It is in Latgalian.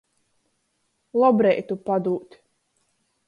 Lobreitu padūt.